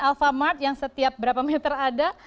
alfamart yang setiap berapa meter ada